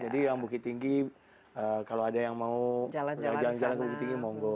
jadi yang bukit tinggi kalau ada yang mau jalan jalan ke bukit tinggi mau go